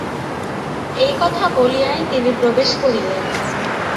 এই কথা বলিয়াই তিনি প্রবেশ করিলেন।